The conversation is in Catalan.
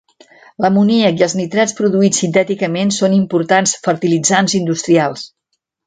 L'amoníac i els nitrats produïts sintèticament són importants fertilitzants industrials.